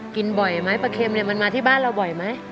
กินบ่อยไหมปลาเค็มเนี่ยมันมาที่บ้านเราบ่อยไหม